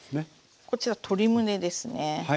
こちら鶏むねですね。